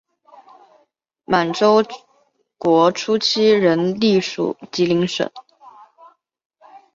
满洲国初期仍隶属吉林省。